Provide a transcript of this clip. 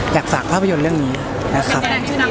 อยากฝากภาพยนตร์เรื่องนี้นะครับ